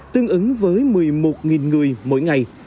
tương ứng với một mươi một người mỗi ngày